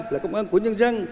là công an của nhân dân